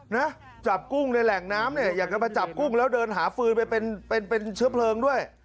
นะจับกุ้งในแหล่งน้ำเนี่ยอยากจะมาจับกุ้งแล้วเดินหาฟืนไปเป็นเป็นเชื้อเพลิงด้วย